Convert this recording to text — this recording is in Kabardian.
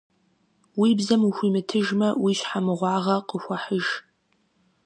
Уи бзэм ухуимытыжмэ, уи щхьэ мыгъуагъэ къыхуэхьыж.